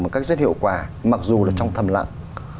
một cách rất hiệu quả mặc dù là trong thầm lặng